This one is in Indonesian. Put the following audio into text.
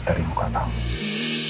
kalau ada yang kamu sembunyikan